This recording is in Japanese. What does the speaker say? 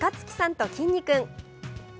ときんに君。